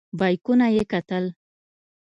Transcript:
بیکونه یې کتل.